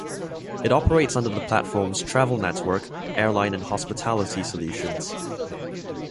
It operates under the platforms Travel Network, Airline and Hospitality Solutions.